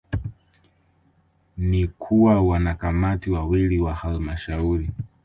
ni kuwa Wanakamati wawili wa Halmashauri